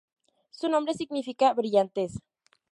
Su nombre significa "brillantez".